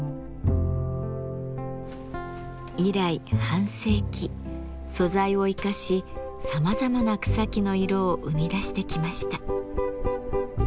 以来半世紀素材を生かしさまざまな草木の色を生み出してきました。